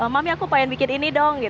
mami aku pengen bikin ini dong